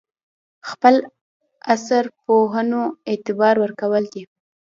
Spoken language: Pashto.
خپل عصر پوهنو اعتبار ورکول دي.